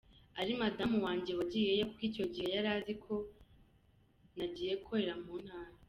ari madamu wanjye wagiyeyo kuko icyo gihe yari azi ko nagiye gukorera mu ntara.